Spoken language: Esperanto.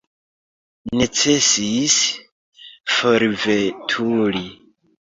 Necesis forveturi.